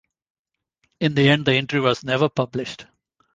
In the end the interview was never published.